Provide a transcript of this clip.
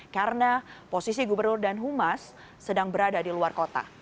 karena posisi gubernur dan humas sedang berada di luar kota